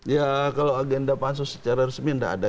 ya kalau agenda pansus secara resmi tidak ada